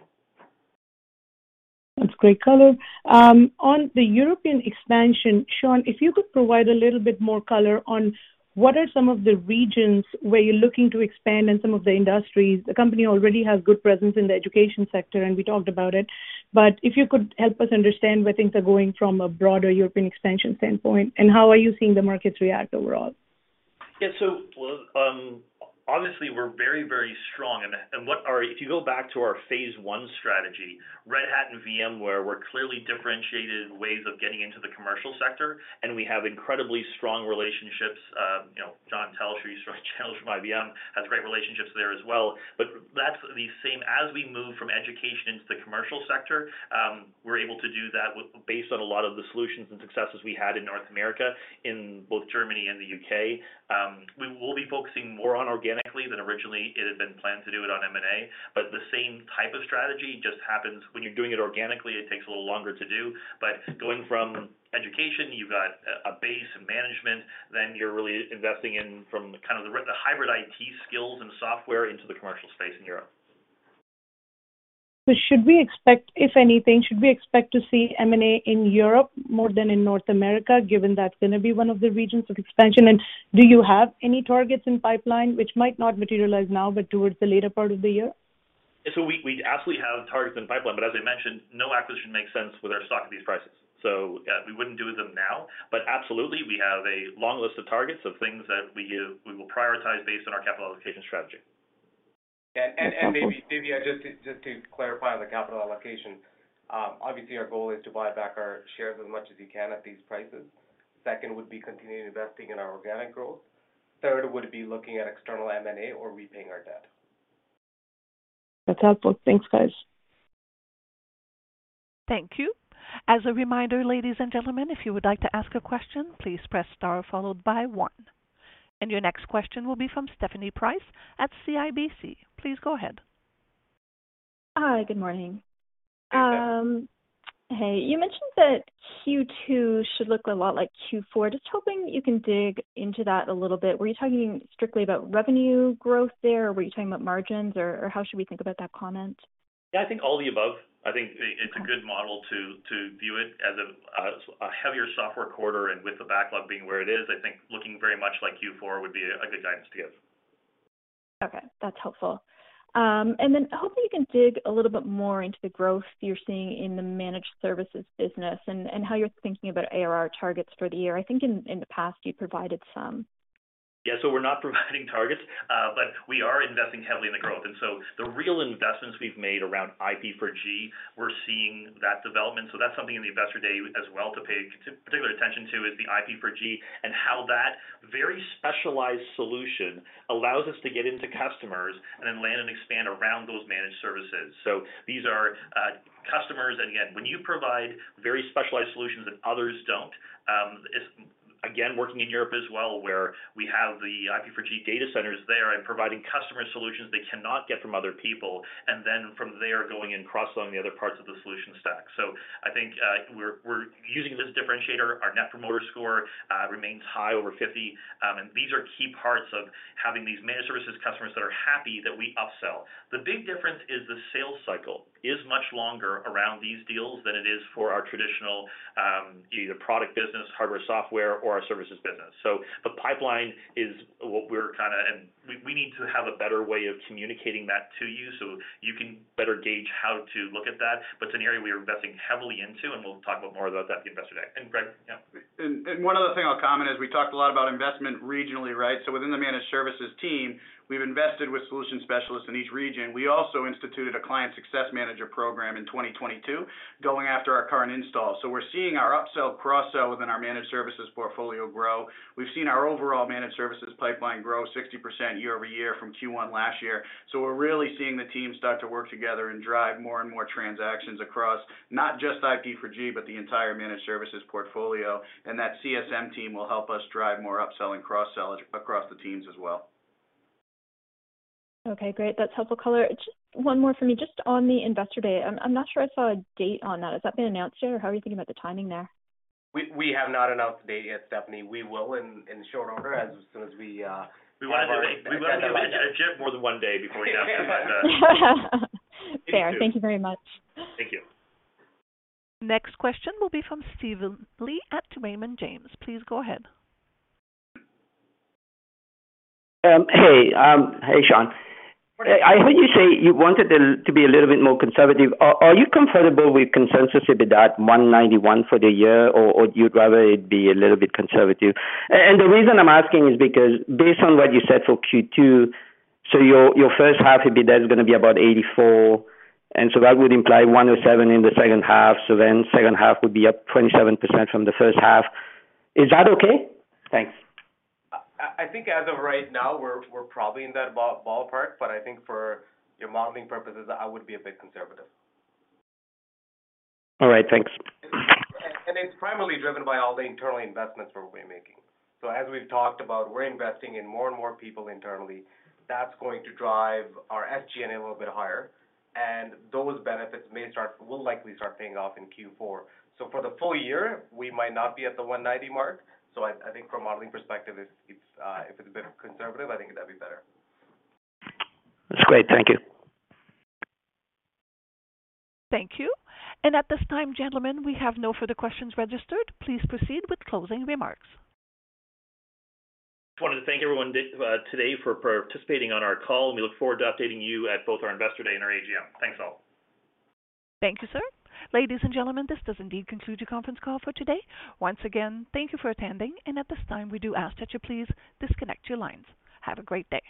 S14: That's great color. On the European expansion, Shaun, if you could provide a little bit more color on what are some of the regions where you're looking to expand and some of the industries. The company already has good presence in the education sector, and we talked about it. If you could help us understand where things are going from a broader European expansion standpoint, and how are you seeing the markets react overall?
S2: Yeah. Obviously, we're very, very strong. If you go back to our phase one strategy, Red Hat and VMware were clearly differentiated in ways of getting into the commercial sector, and we have incredibly strong relationships. You know, John Teltsch, he's from channel from IBM, has great relationships there as well. That's the same as we move from education into the commercial sector, we're able to do that based on a lot of the solutions and successes we had in North America, in both Germany and the UK. We will be focusing more on organically than originally it had been planned to do it on M&A. The same type of strategy just happens when you're doing it organically, it takes a little longer to do.
S9: Going from education, you've got a base and management, then you're really investing in from the kind of the hybrid IT skills and software into the commercial space in Europe.
S14: Should we expect, if anything, should we expect to see M&A in Europe more than in North America, given that's gonna be one of the regions of expansion? Do you have any targets in pipeline which might not materialize now but towards the later part of the year?
S2: We absolutely have targets in pipeline, but as I mentioned, no acquisition makes sense with our stock at these prices. We wouldn't do them now. Absolutely, we have a long list of targets of things that we give, we will prioritize based on our capital allocation strategy.
S9: Maybe I just to clarify on the capital allocation, obviously our goal is to buy back our shares as much as we can at these prices. Second would be continuing investing in our organic growth. Third would be looking at external M&A or repaying our debt.
S14: That's helpful. Thanks, guys.
S1: Thank you. As a reminder, ladies and gentlemen, if you would like to ask a question, please press star followed by one. Your next question will be from Stephanie Price at CIBC. Please go ahead.
S15: Hi, good morning.
S2: Hey.
S15: Hey. You mentioned that Q2 should look a lot like Q4. Just hoping you can dig into that a little bit. Were you talking strictly about revenue growth there, or were you talking about margins or how should we think about that comment?
S2: Yeah, I think all of the above. I think it's a good model to view it as a heavier software quarter. With the backlog being where it is, I think looking very much like Q4 would be a good guidance to give.
S15: Okay, that's helpful. Then hopefully you can dig a little bit more into the growth you're seeing in the managed services business and how you're thinking about ARR targets for the year. I think in the past you've provided some.
S2: We're not providing targets, but we are investing heavily in the growth. The real investments we've made around IP4G, we're seeing that development. That's something in the Investor Day as well to pay particular attention to is the IP4G and how that very specialized solution allows us to get into customers and then land and expand around those managed services. These are customers and yet when you provide very specialized solutions that others don't, it's again, working in Europe as well where we have the IP4G data centers there and providing customer solutions they cannot get from other people. From there going and cross-selling the other parts of the solution stack. I think we're using this differentiator. Our net promoter score remains high over 50. These are key parts of having these managed services customers that are happy that we upsell. The big difference is the sales cycle is much longer around these deals than it is for our traditional, either product business, hardware, software, or our services business. The pipeline is what we're kinda. We need to have a better way of communicating that to you so you can better gauge how to look at that. It's an area we are investing heavily into, and we'll talk about more about that at the Investor Day. Greg, yeah.
S9: One other thing I'll comment is we talked a lot about investment regionally, right? Within the managed services team, we've invested with solution specialists in each region. We also instituted a client success manager program in 2022, going after our current install. We're seeing our upsell, cross-sell within our managed services portfolio grow. We've seen our overall managed services pipeline grow 60% year-over-year from Q1 last year. We're really seeing the team start to work together and drive more and more transactions across not just IP4G, but the entire managed services portfolio. That CSM team will help us drive more upselling, cross-sell across the teams as well.
S15: Okay, great. That's helpful color. Just one more for me, just on the Investor Day. I'm not sure I saw a date on that. Has that been announced yet, or how are you thinking about the timing there?
S9: We have not announced the date yet, Stephanie. We will in short order as soon as we.
S2: We wanna do it at Git more than one day before we announce it but.
S15: Fair. Thank you very much.
S2: Thank you.
S1: Next question will be from Steven Li at Raymond James. Please go ahead.
S16: Hey, Shaun. I heard you say you wanted to be a little bit more conservative. Are you comfortable with consensus at that 191 for the year or you'd rather it be a little bit conservative? The reason I'm asking is because based on what you said for Q2, your first half will be that's gonna be about 84. That would imply 107 in the second half. Second half would be up 27% from the first half. Is that okay? Thanks.
S9: I think as of right now, we're probably in that ballpark, but I think for your modeling purposes, I would be a bit conservative.
S16: All right. Thanks.
S9: It's primarily driven by all the internal investments we're gonna be making. As we've talked about, we're investing in more and more people internally. That's going to drive our SG&A a little bit higher, and those benefits may start, will likely start paying off in Q4. For the full year, we might not be at the 190 mark. I think from a modeling perspective, it's, if it's a bit conservative, I think that'd be better.
S16: That's great. Thank you.
S1: Thank you. At this time, gentlemen, we have no further questions registered. Please proceed with closing remarks.
S2: Just wanted to thank everyone today for participating on our call. We look forward to updating you at both our Investor Day and our AGM. Thanks, all.
S1: Thank you, sir. Ladies and gentlemen, this does indeed conclude your conference call for today. Once again, thank you for attending. At this time, we do ask that you please disconnect your lines. Have a great day.